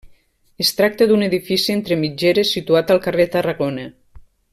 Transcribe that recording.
Es tracta d'un edifici entre mitgeres situat al carrer Tarragona.